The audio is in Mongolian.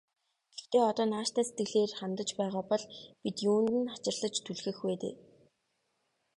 Гэхдээ одоо нааштай сэтгэлээр хандаж байгаа бол бид юунд нь хачирхаж түлхэх вэ дээ.